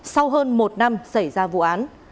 sau hơn một năm xảy ra vụ án